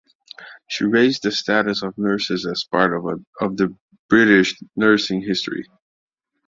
She raised the status of nurses as part of the British nursing history.